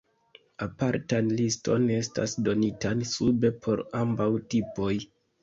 Apartan liston estas donitan sube por ambaŭ tipoj.